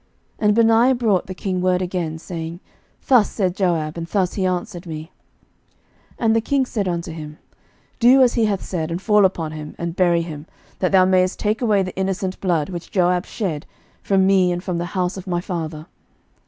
And Benaiah brought the king word again, saying, Thus said Joab, and thus he answered me. 11:002:031 And the king said unto him, Do as he hath said, and fall upon him, and bury him; that thou mayest take away the innocent blood, which Joab shed, from me, and from the house of my father.